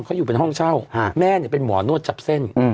เขาอยู่เป็นห้องเช่าแม่เนี่ยเป็นหมอนวดจับเส้น